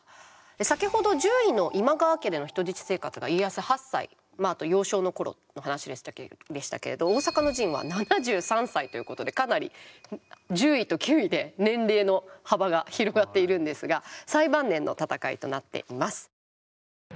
先ほど１０位の今川家での人質生活が家康８歳幼少の頃の話でしたけれど大坂の陣は７３歳ということでかなり１０位と９位で年齢の幅が広がっているんですが最晩年の戦いとなっています。